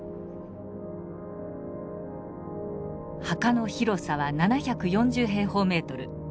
墓の広さは７４０平方メートル。